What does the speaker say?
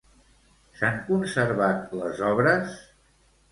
S'han conservat les obres?